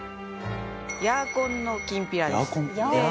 ヤーコンのきんぴらです。